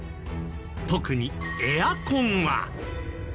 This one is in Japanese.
特にエアコンは。